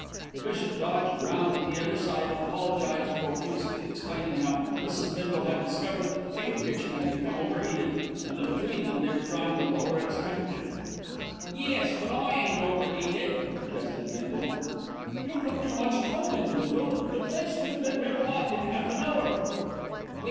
The bishop dodged round to the other side and apologised profusely, explaining how Mrs. Bindle had discovered that the field kitchen had become overheated and that between them they were trying to lower its temperature. "Yes; but I ain't over'eated," protested Bindle. "You put too much coal in, Bindle; the place would have been red hot in half an hour."